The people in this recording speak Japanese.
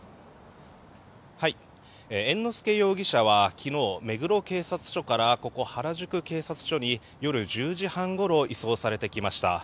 猿之助容疑者は昨日目黒警察署からここ、原宿警察署に夜１０時半ごろに移送されてきました。